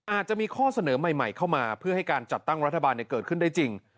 อาจจะมีข้อเสนอใหม่เข้ามาเพื่อให้การจัดตั้งรัฐบาลเกิดขึ้นได้จริง